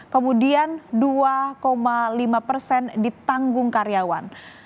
kemudian dua lima persen ditanggung karyawan